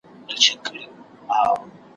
په نصیب یې ورغلی شین جنت وو ,